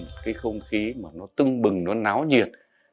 đó là một cái không khí mà nó tưng bừng nó náo nhiệt